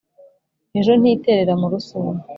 ejo ntiterera mu rusuma